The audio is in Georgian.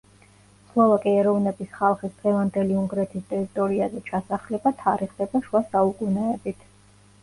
სლოვაკი ეროვნების ხალხის დღევანდელი უნგრეთის ტერიტორიაზე ჩასახლება თარიღდება შუა საუკუნეებით.